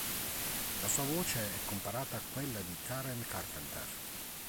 La sua voce è comparata a quella di Karen Carpenter.